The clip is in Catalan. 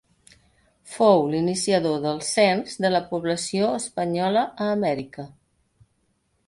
Fou l'iniciador del cens de la població espanyola a Amèrica.